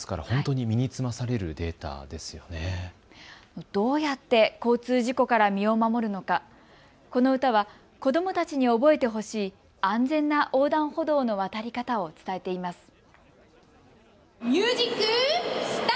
本当にどうやって交通事故から身を守るのか、この歌は子どもたちに覚えてほしい安全な横断歩道の渡り方を伝えています。